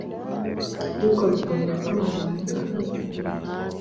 ariko bikavugwa ko amazi aboneka yo ari make